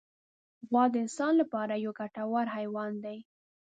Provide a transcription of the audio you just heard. غوا د انسان له پاره یو ګټور حیوان دی.